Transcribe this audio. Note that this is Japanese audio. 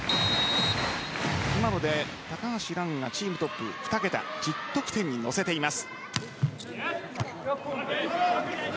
今ので高橋藍がチームトップ、２桁１０得点に乗せています。